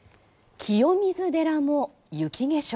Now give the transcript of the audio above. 清水寺も雪化粧。